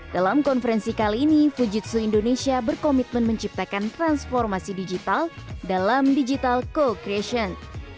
dalam konferensi kali ini fujitsu indonesia berkomitmen menciptakan transformasi digital dalam digital co creation